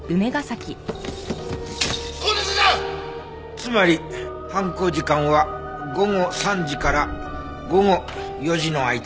つまり犯行時間は午後３時から午後４時の間。